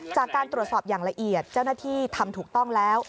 จากการตรวจสอบอย่างละเอียดเจ้าหน้าที่ทำถูกต้องแล้ว